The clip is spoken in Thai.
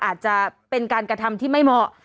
อาจจะเป็นการกระทำที่ไม่เหมาะ